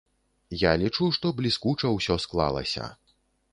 Я лічу, што бліскуча ўсё склалася.